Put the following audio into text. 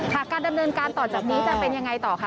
การดำเนินการต่อจากนี้จะเป็นยังไงต่อคะ